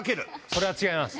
それは違います。